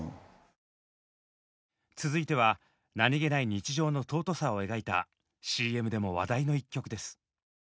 続いては何気ない暮らしの尊さを描いたＣＭでも話題の一曲です。